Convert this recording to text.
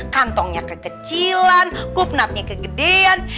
kantongnya kekecilan kupnatnya kegedean